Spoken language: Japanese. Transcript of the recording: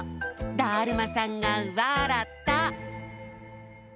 だるまさんがわらった！